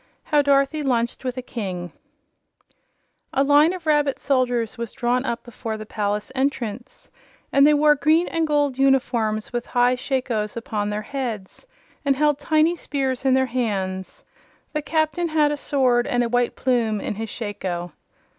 How Dorothy Lunched With a King A line of rabbit soldiers was drawn up before the palace entrance, and they wore green and gold uniforms with high shakos upon their heads and held tiny spears in their hands. The Captain had a sword and a white plume in his shako.